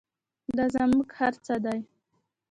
دا زموږ هر څه دی